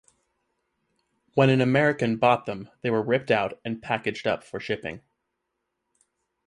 When an American bought them they were ripped out and packaged up for shipping.